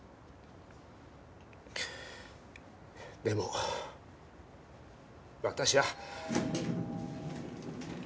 でも私は。